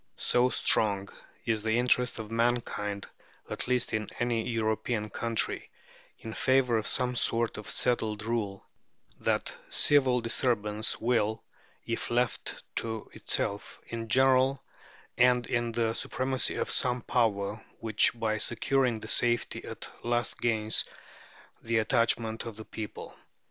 So strong is the interest of mankind, at least in any European country, in favour of some sort of settled rule, that civil disturbance will, if left to itself, in general end in the supremacy of some power which by securing the safety at last gains the attachment of the people.